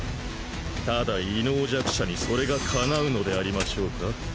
ただ異能弱者にそれがかなうのでありましょうか？